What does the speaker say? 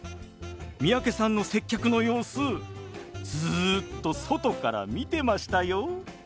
三宅さんの接客の様子ずっと外から見てましたよ。